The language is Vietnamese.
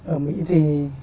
ở mỹ thì